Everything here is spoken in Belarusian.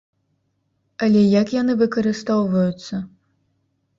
Але як яны выкарыстоўваюцца?